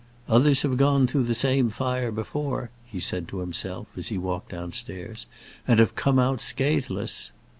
"Others have gone through the same fire before," he said to himself, as he walked downstairs, "and have come out scatheless."